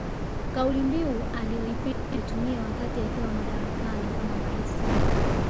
Kaulimbiu aliyopenda kuitumia wakati akiwa madarakani kama raisi